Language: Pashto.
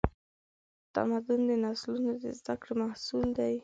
تمدن د نسلونو د زدهکړې محصول دی.